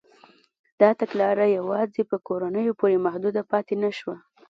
دا تګلاره یوازې په کورنیو پورې محدوده پاتې نه شوه.